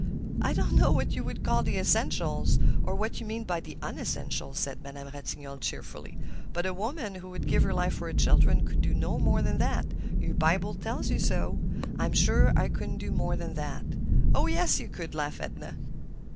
"I don't know what you would call the essential, or what you mean by the unessential," said Madame Ratignolle, cheerfully; "but a woman who would give her life for her children could do no more than that—your Bible tells you so. I'm sure I couldn't do more than that." "Oh, yes you could!" laughed Edna.